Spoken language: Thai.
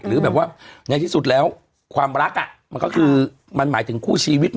หรือแบบว่าในที่สุดแล้วความรักมันก็คือมันหมายถึงคู่ชีวิต